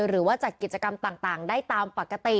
หรือว่าจัดกิจกรรมต่างได้ตามปกติ